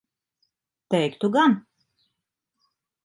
Teiktu gan.